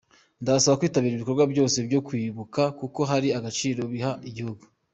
ndabasaba kwitabira ibikorwa byose byo kwibuka kuko hari agaciro biha igihugu.